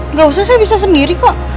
nggak usah saya bisa sendiri kok